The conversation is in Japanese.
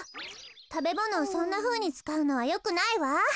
たべものをそんなふうにつかうのはよくないわ。